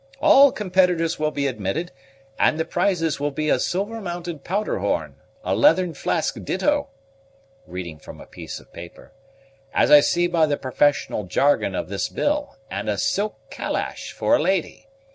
All competitors will be admitted, and the prizes will be a silver mounted powder horn, a leathern flask ditto," reading from a piece of paper, "as I see by the professional jargon of this bill, and a silk calash for a lady.